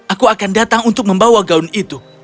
aku akan datang untuk membawa gaun itu